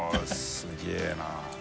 すげぇな。